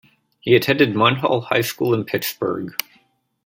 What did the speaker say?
He attended Munhall High School in Pittsburgh.